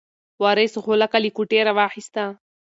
وارث غولکه له کوټې راواخیسته.